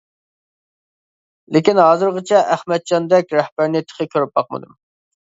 لېكىن ھازىرغىچە ئەخمەتجاندەك رەھبەرنى تېخى كۆرۈپ باقمىدىم.